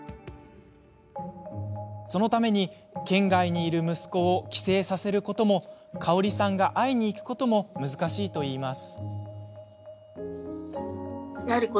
そのために県外にいる息子を帰省させることもかおりさんが会いに行くことも難しいといいます。